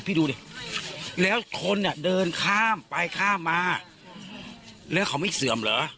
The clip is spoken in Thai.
ดูดิแล้วคนอ่ะเดินข้ามไปข้ามมาแล้วเขาไม่เสื่อมเหรอ